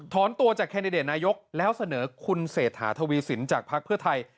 ตัวจากแคนดิเดตนายกแล้วเสนอคุณเศรษฐาทวีสินจากภักดิ์เพื่อไทย